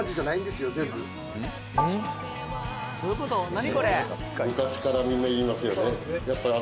何？